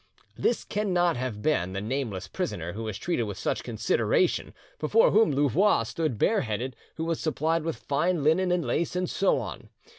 This cannot have been the nameless prisoner who was treated with such consideration, before whom Louvois stood bare headed, who was supplied with fine linen and lace, and so on.